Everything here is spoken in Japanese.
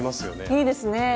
いいですね！